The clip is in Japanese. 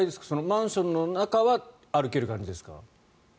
マンションの中は歩ける感じですか？